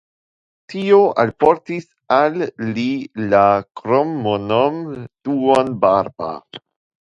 Tio alportis al li la kromnomon "duonbarba".